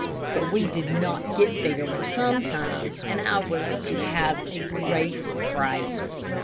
But we did not get there for some time, and I was to have a great fright.